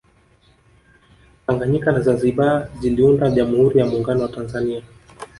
tanganyika na zanzibar ziliunda jamhuri ya muungano wa tanzania